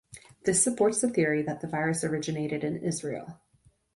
This supports the theory that the virus originated in Israel.